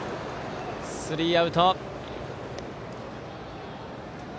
スリーアウト。